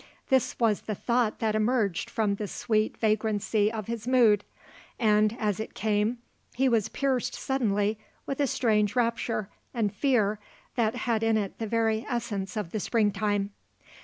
This was the thought that emerged from the sweet vagrancy of his mood; and, as it came, he was pierced suddenly with a strange rapture and fear that had in it the very essence of the spring time.